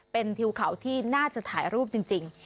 เป็นทิวเขาที่น่าจะถ่ายรูปจริง